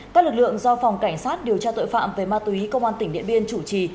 các lực lượng do phòng cảnh sát điều tra tội phạm về ma túy công an tỉnh điện biên chủ trì